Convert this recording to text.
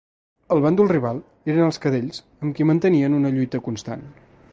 El bàndol rival eren els Cadells amb qui mantenien una lluita constant.